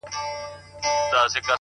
د زړگي هيله چي ستۍ له پېغلتوبه وځي;